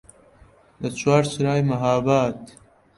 لە چوارچرای مەهاباد